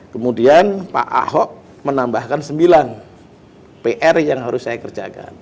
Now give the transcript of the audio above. kemudian pak ahok menambahkan sembilan pr yang harus saya kerjakan